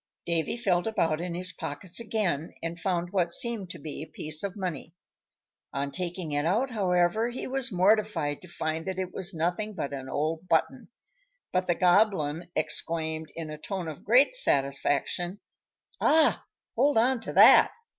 Davy felt about in his pockets again, and found what seemed to be a piece of money. On taking it out, however, he was mortified to find that it was nothing but an old button; but the Goblin exclaimed, in a tone of great satisfaction, "Ah! hold on to that!"